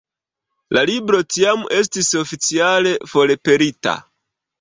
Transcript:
La libro tiam estis oficiale forpelita.